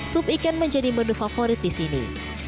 sup ikan menjadi menu favorit di sini